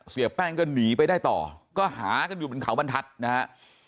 เสียแป้งก็หนีไปได้ต่อก็หากันอยู่บนเขาบรรทัศน์นะฮะ